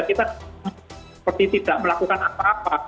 kita seperti tidak melakukan apa apa